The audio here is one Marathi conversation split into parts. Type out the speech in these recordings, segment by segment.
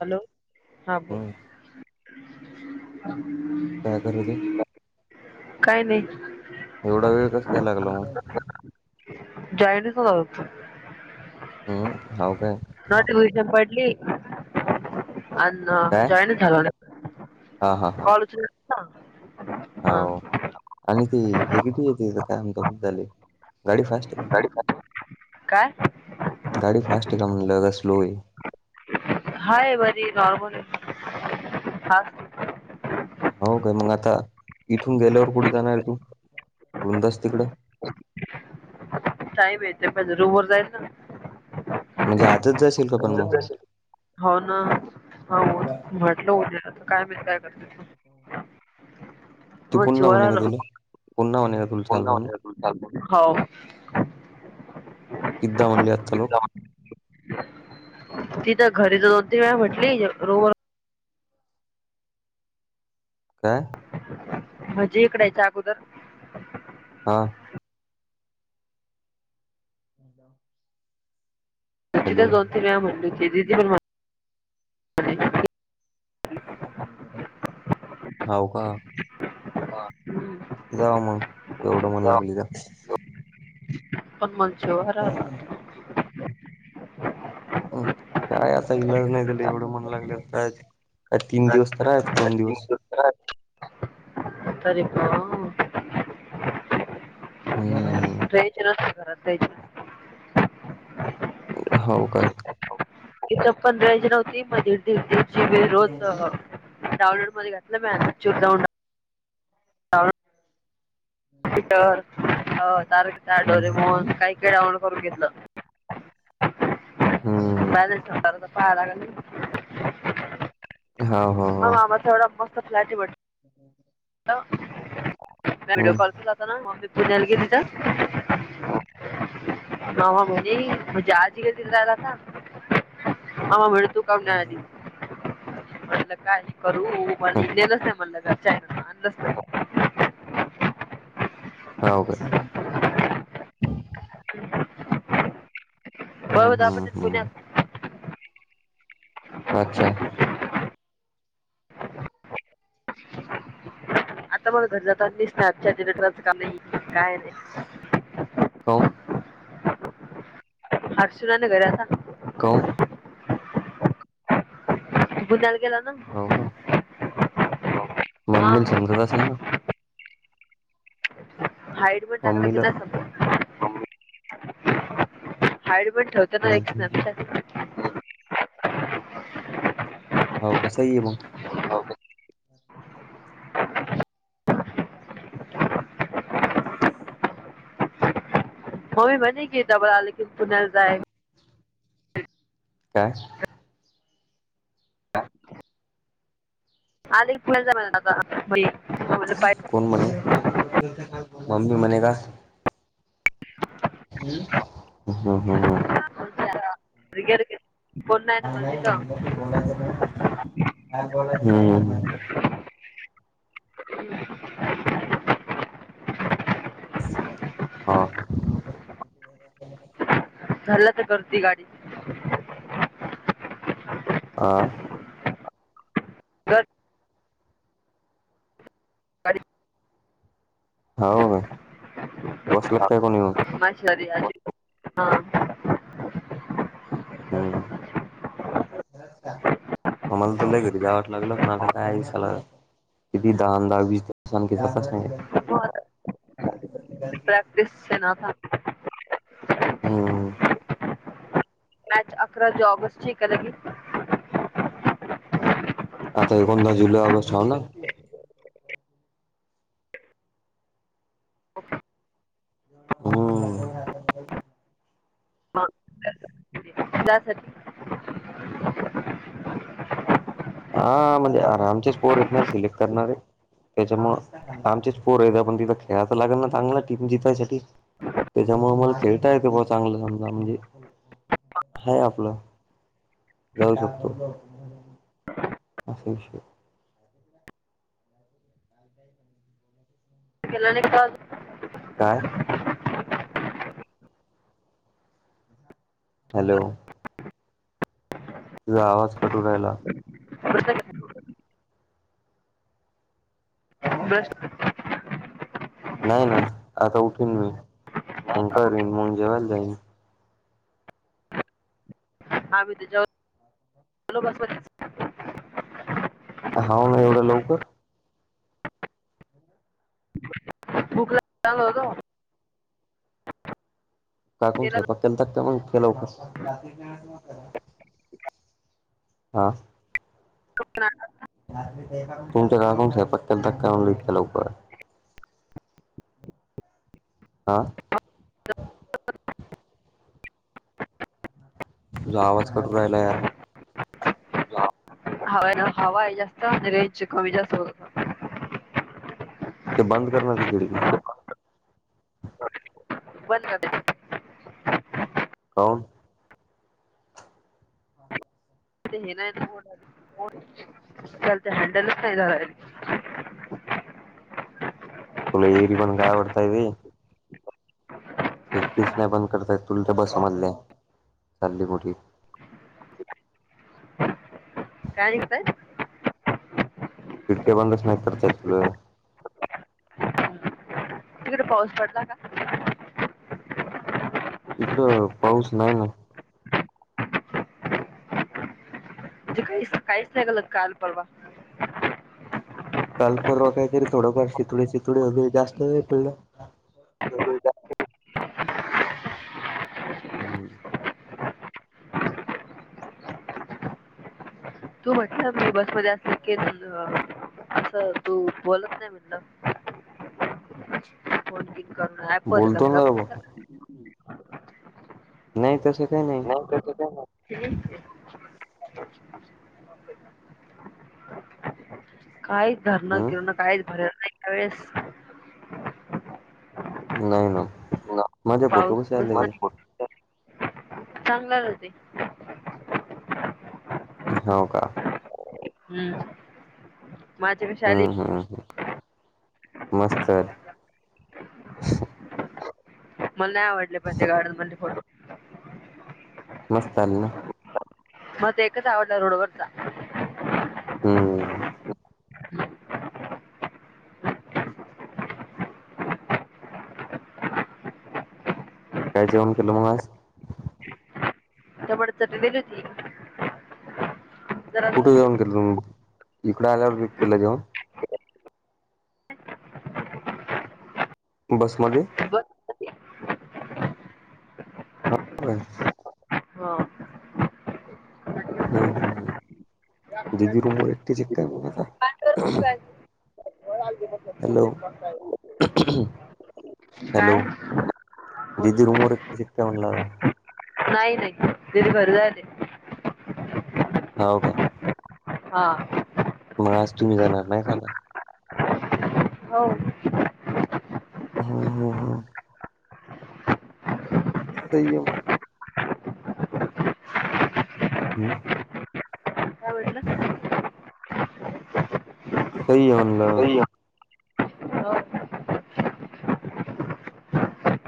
हॅलो हा ब हम्म काय करू दे काय नाही एवढा वेळ कस काय लागला मग जायनीज अदयत हम्म हो काय नोटिफिकेशन पडली अन काय जॉईन झाल हा हा हा हाव ह आणि ती हगट येते काय आम झाले गाडी फास्ट आहे काय गाडी फास्ट आहेका म्हणलं का स्लो आहे हाय बाारी नॉर्मल फू हो काय मग आता इथून गेल्यावर कुठे जाणार आहे तू वृंदास तिकडं सााईब येते पणज रूमर जायचं म्हणजे आजच का पण मग हो ना हो म्हटलं होत्या आ काय म काय करते ते पुन्हा म्हणेल तुला पुन्हा म्हणे तुला चाल म्हणून पुन्हा म्ह तुल किददा म्हणलयाथ लो तिथ घरी तर दोन तीन वेळा म्हटली रोम काय म्हजे इकड याच्या अगोदर हा ह ती तर दो, तीन वेळा म्हणली की हो पण [unintelligible] ह [inaudible] [unintelligible] हाव का? ह [inaudible] [unintelligible] जावा मग एवढं म्हणा लागली तर. पण [unintelligible] म्ह श वार अम काय आता इलाज नाही तेले एवढं म्हणू लागल्यात त्यात तीन नाही दिवस त्रात दोन दिवस [unintelligible] तरीपण [inaudible] हो. च [unintelligible] घरात द्यायची नाही. [inaudible] ह [inaudible] हाव काय? इथ पण द्यायची नव्हती मग दी -दीड -दीडची वे रोज डाउनलोडमध्ये घातलं [unintelligible] म ाऊंड ट्विटर, तारक मेहता, डोरेमॉन काय -काय डाउनलोड करून घेतलं. हम्म काल एक [unintelligible] आलाला नाही हा हो. ह मामा एवढा मस्त फ्लॅटटत [unintelligible] ह [unintelligible] हॅलो म व्हिडिओ कॉल केलावतान मम्मी [unintelligible] पुण्याला गेली कि तिथं मामा म्हणी, म्हणजे आज [unintelligible] तिले -तिला जायला सांग, मामा म्हणे तू उन्हाळ्यात ईली. हा [inaudible] म्हणलं काय हे करू म्हणल नेलंच नाही म्हणलं का चा आणलंच नाही [unintelligible] हाव का [unintelligible] हम्म होय हम्म आपण [unintelligible] हम्म पुण्यात अच्छा आता मला घर जाताना दिसत [unintelligible] आजच्या रिलेटरचं का नाही काय नाही. का ओ? अर्शुनाने घऱ्याचा [unintelligible] का ओ बूंध्याला गेला ना म [unintelligible] हाव का. हा मम्मीला समजत असेल ना? हाईड मध्ये टाकल की मम्मीला नाय समजत. हाइडमध्ये ठेवण्यात ना एक हम्म स्नॅपचॅट. हाव कसा येई मग. होय, म्हणे की जवळ आले की पुण्याला जाय काय? आधी पु मला का [unintelligible] कोण म्हणे [unintelligible] मम्मी म्हणे का [inaudible] हम्म- हम्म -हम्म. [inaudible] अ घर का [unintelligible] हा नाही म्हणलं त बोलायचं नाही म्हण का बोलायचं हम्म -हम्म [unintelligible] हा-हा [unintelligible] धरलं तर करती गाडीत. [unintelligible] ह. तर हो का बस लाग काय कोणी म म शरी अ हा. हम्म. म मला तु ल घरी जावं लागलं पण आता कायला किती दहा दहा वीस द आण आणखी ज सां प्रॅक्टिस स ना. हम. ॅ अकरा ज ऑगस्टची क लगली. आता एकोणदा जुलै ऑगस्ट ह ना. हम्म. हा त्यासाठी हा म्हणजे आरामचे स्कोअर येतणार सिलेक्ट करणारे. त्याच्यामु आमचेच पोर आहे पण तिथं खेळायचं लागेल ना चांगला टीम जितायसाठी त्याच्यामुळे मला खेळता येत चांगलं समजा म्हणजे ह आपलं जाऊ शकतो. असंलश. आ क? केला न का? काय? हॅलो. तुझा आवाज कटून रायला. हो. बस्ट नाही ना आता उठेन मी मग करन मग जेवायला जाईन. हा बीथ जाऊ चल बस. हा ना एवढं लवकर. बुक ला चाल होत. काकूंना त्याला स्वयंपाक केलता काय इतक्या लवकर? हा. क [unintelligible] तुमच्या काकूनं स्वयंपाक केलाता का काय म्हणलं इतक्या लवकर? आ. तुझा आवाज कटू राहिला या. हवा हवा आहे जास्त आणि रेंज कमी जास्त होत [unintelligible] ते बंद करणार ती खिडकी बंद करते. कावून म नयलत [unintelligible] [inaudible] हॅडलच नाही झालाय. तुला एरी पण काय आवडतय ते [inaudible] खिडकीच नाही बंद करता येत तुला त्या बस मधली चालली मोठी कायता [unintelligible] खिडक्या बंदच नाही करता येत तुला तिकडे पाऊस पडला का? इकडं पाऊस नाही ना. म्हणजे काहीच काहीच नाही ग [unintelligible] काल परवा काल परवा कायतरी थोडंफार शितोडे शितोडे वगैर जास्त नाही पडला. हो [unintelligible] हम्म तू म्हटलं मी बसमध्ये असेल [unintelligible] केलं असं तू बोलत नाही म्हटलं. बोलतो ना बाबा [unintelligible] ोर [unintelligible] [inaudible] नाही तसं काही नाही. ठीक [unintelligible] [inaudible] ह [inaudible] काहीच धरणं हम्म बिरणं काहीच भरेल नाही या वेळेस नाही ना ना. माझे फोटो कसे पाऊसच आले? चांगले आलेतय हो का हम्म माझ्यापेक्षा आली हम्म हम्म ह मस्त मला नाही आवडले पण ते गार्डन मधले फोटो मस्त आली ना? मला ते एकच आवडला रोड वरचा हम्मम काय जेवण केलं म आज? टमाट्याची चटणी दिली होती. जरा जरा [unintelligible] जाऊन केल दिली. जेवण इकड आल्यावर बी केलं जेवण? बसमध्ये? बस होती. बबर हा. हम् हम् हम ददीी उबर एकट चे किती काय दिवस? म्हणा आता हो आ हॅलो काय हॅलो बोल दिदी ना. रूमवर एकटी शिकते म्हणलं नाही नाही दिदी घरी जायेलय. हा काय हा मग आज तुम्ही जाणार नाही का आता? हो [inaudible] हं हं हं स आहे म हम्म काय वडलं सही आहे म्हणलं हो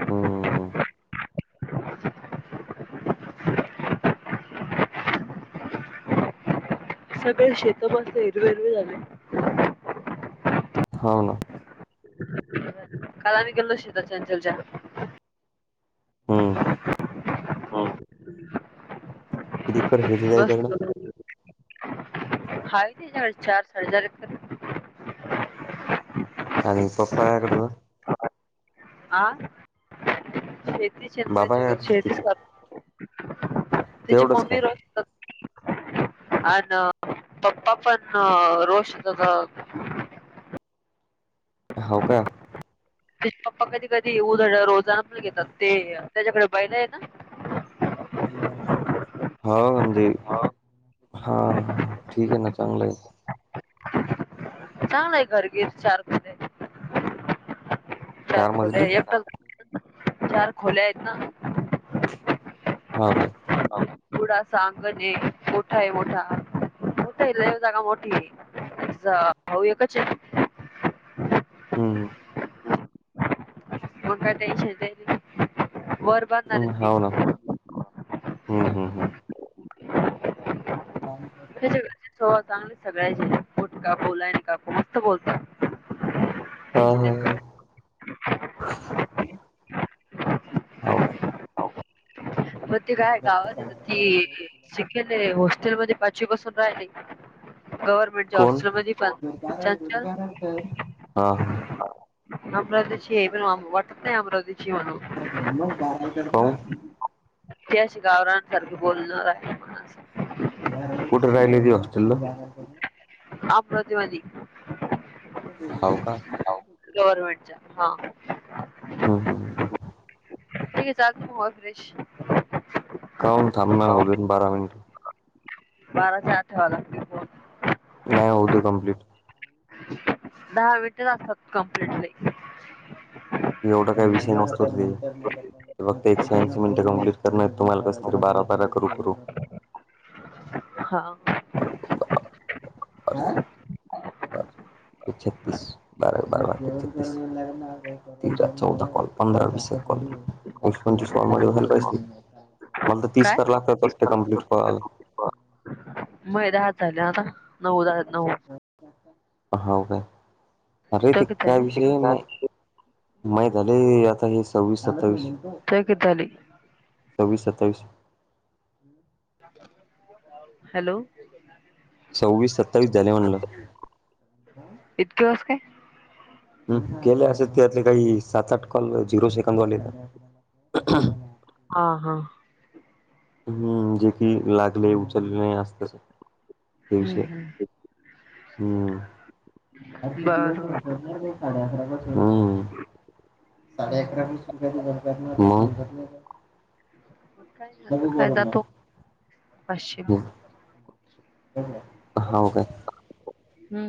हम्मम सगळे शेत बसले हिरवे हिरवे झाले होा ना कालाम गेल्लो शितचलच्या हम्म ककर श मस्त जायच्याकडं हाय ते चार साडे चार आणि पप्पा याकडचा हा शेती बाबा शताच्या काय करतात त्याचे? शेतीच कर तिची तेवढंच काय मम्मी रत अ पप्पा पण रोष हो त हो का पप्पा कधी कधी उधड रोजान पण घेतात. ते त्याच्याकडे बैल आहेत ना. हो म्हजे ना हा ठीक आहे ना चांगल आहे. चांगलं आहे घरगिर चार चार खोल्या आहेत. चार खोल्या आहेत ना. हो काय पुढं अस अंगण आहे. गोठा आहे मोठा‌. मोठ आहे. लय जागा मोठी आहे. तुझा भाऊ एकच आहे. हम्म मग काही टेन्शन नाही. त्यांची वर बांधणार मग आहेत ते हाव ना. हम्म हम्म हम्म [unintelligible] व चांगली सगळ्याचे पोट का बोलाय काकु मस्त बोलतात. हो त्यांची हो हो. लेकर हो काय. मग ते काय गावाात येत ते शिकेल आहे. हॉस्टेल मध्ये पाचवी पासून राहिले गवर म्हणजे कोण हॉस्टेल मध्ये हा हा अमरावतीची आहे. पण वाटत नाही आमरावतीची म्हणून. [unintelligible] ती अशी गावरानसारखी बोलण आहे. म्हणून असं. कुठे राहिली होती हॉस्टेलला. [unintelligible] होव का. गव्हर्नमेंटच्या हा हम्म हम्म [unintelligible] काऊन थांबना होऊ देना बारा मिनिट. बाराच्या आत ठेवा लागते. फोन नाही होऊ दे कम्प्लीट. दहा मिनटे असतात कंप्लिटली. एवढा काही विषय नसतो ते. ते फक्त एकशे ऐंशी मिनटं कंप्लीट करण आहेत तुम्हाला. कस तरी बारा बारा करू करू. हा छत्तीस बारा बारा छतीस त चौदा कॉल पंधरा विस कॉल व पंचवीस कॉल मध्ये व्हायला पाहिजे ते. मला तर तीस तर लागतात वाटते कमप्लीट व्हायला. म हे दहाच झाले आता. नऊ दहा नऊ हाव काय. अरे तो ते किती काय झाली विषय नाही. माहे झाले. आता हे सव्वीस सत्तावीस आहे. कायं क ताली. सौवीस सत्तावीस आहे. हॅलो सव्वीस सत्तावीस झाले म्हणल. इतके कस काय? हम केले असे त्यातले काही सात आठ कॉल झिरो सेकंड वाले आहे ना. हा हा हम्म जे की लागले उचलले नाही. असतच ते विषय हम्म साडे बरोबर अकरा पासुन हम्म साडे अकरा पासुन कधी समजत नाही का. मग काय नाही, काय जातो पाचशे हाव काय. हम्म